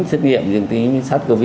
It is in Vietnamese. xét nghiệm dương tính sars cov hai